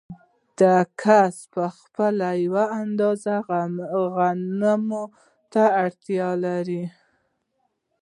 دا کس په خپله یوې اندازې غنمو ته اړتیا لري